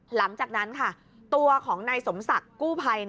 หลังจากนั้นค่ะตัวของนายสมศักดิ์กู้ภัย